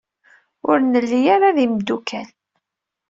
Ur nelli ara d imeddukal.